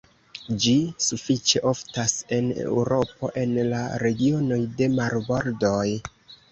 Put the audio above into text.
Ĝi sufiĉe oftas en Eŭropo en la regionoj de marbordoj.